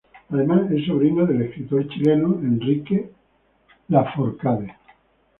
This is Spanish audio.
Además, es sobrina del escritor chileno Enrique Lafourcade.